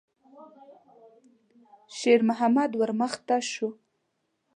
شېرمحمد ور مخته شو.